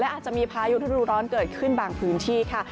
อาจจะมีพายุฤดูร้อนเกิดขึ้นบางพื้นที่ค่ะ